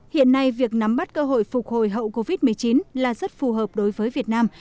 hiện nay việc nắm bắt cơ hội phục hồi hậu covid một mươi chín là rất phù hợp đối với việt nam